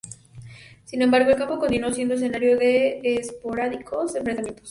Sin embargo, el campo continuó siendo escenario de esporádicos enfrentamientos.